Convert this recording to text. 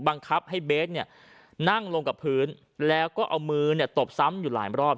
บังคับให้เบสเนี่ยนั่งลงกับพื้นแล้วก็เอามือเนี่ยตบซ้ำอยู่หลายรอบ